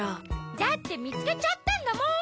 だってみつけちゃったんだもん。